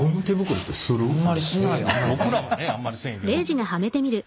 僕らはねあんまりせんけど。